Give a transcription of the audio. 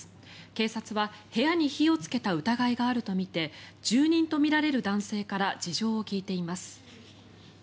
警察は、部屋に火をつけた疑いがあるとみて住人とみられる男性から事情を聴いています。